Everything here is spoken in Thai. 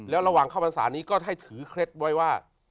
แล้วระหว่างเข้าพรรษานี้ก็ได้ถือเคล็ดไว้ว่า